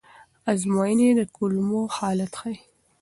ازموینې د کولمو حالت ښيي.